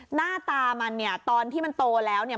หน้าตามันเนี่ยตอนที่มันโตแล้วเนี่ย